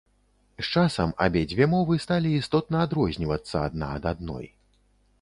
З часам абедзве мовы сталі істотна адрознівацца адна ад адной.